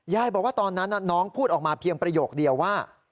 บอกว่าตอนนั้นน้องพูดออกมาเพียงประโยคเดียวว่า